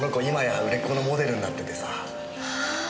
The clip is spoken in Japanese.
今や売れっ子のモデルになっててさ。